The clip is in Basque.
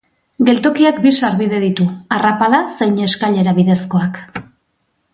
Geltokiak bi sarbide ditu, arrapala zein eskailera bidezkoak.